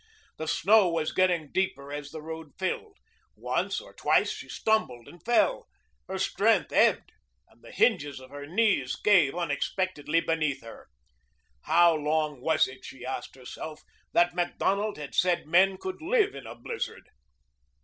The snow was getting deeper as the road filled. Once or twice she stumbled and fell. Her strength ebbed, and the hinges of her knees gave unexpectedly beneath her. How long was it, she asked herself, that Macdonald had said men could live in a blizzard?